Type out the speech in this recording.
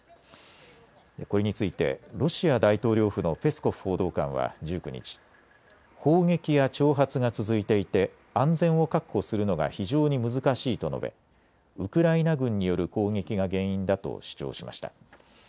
これについてロシア大統領府のペスコフ報道官は１９日、砲撃や挑発が続いていて安全を確保するのが非常に難しいと述べ、ウクライナ軍による攻撃が原因だと主張しました。